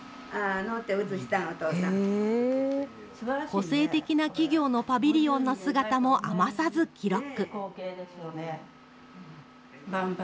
個性的な企業のパビリオンの姿も余さず記録。